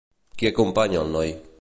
Qui acompanya el noi?